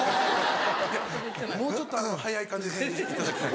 もうちょっと早い感じで言っていただきたい。